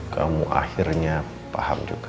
kamu akhirnya paham juga